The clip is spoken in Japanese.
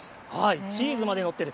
チーズまで載ってる。